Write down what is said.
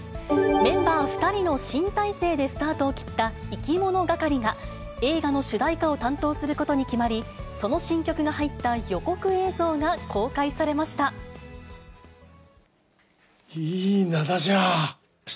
メンバー２人の新体制でスタートを切った、いきものがかりが、映画の主題歌を担当することに決まり、その新曲が入った予告映像が公開されました。